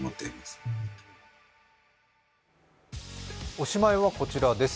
おしまいはこちらです。